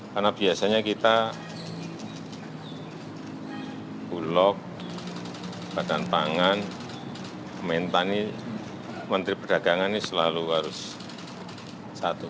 karena biasanya kita bulog badan pangan menteri pertanian ini selalu harus satu